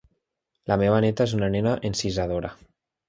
La meva neta és una nena encisadora